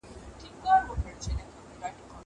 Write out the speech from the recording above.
دا تمرين له هغه ګټور دي!